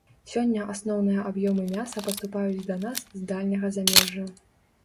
Сёння асноўныя аб'ёмы мяса паступаюць да нас з дальняга замежжа.